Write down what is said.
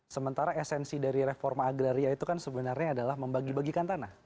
sementara esensi dari reforma agraria itu kan sebenarnya adalah membagi bagikan tanah